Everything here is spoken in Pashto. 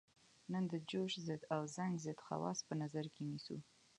نن د جوش ضد او زنګ ضد خواص په نظر کې نیسو.